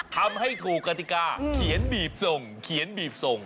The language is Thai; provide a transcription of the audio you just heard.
ทำให้ถูกกติกาเขียนบีบส่งเขียนบีบส่ง